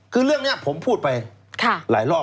คือเรื่องนี้ผมพูดไปหลายรอบ